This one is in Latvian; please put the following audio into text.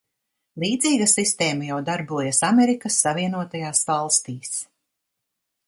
Līdzīga sistēma jau darbojas Amerikas Savienotajās Valstīs.